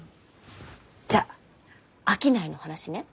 じゃあ商いの話ね。